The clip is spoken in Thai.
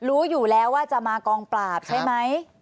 รู้อยู่แล้วว่าจะมากองปราบใช่ไหม